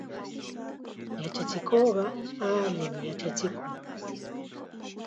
Yachachikuqqa allim yachachikun.